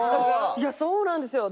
いやそうなんですよ。